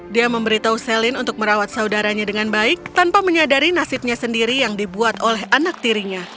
dia memberitahu celin untuk merawat saudaranya dengan baik tanpa menyadari nasibnya sendiri yang dibuat oleh anak tirinya